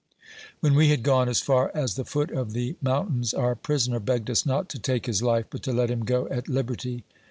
When we had gone as far as the foot of the m ountains, our prisoner begged U3 not to take his life, but to let him 30 at liberty.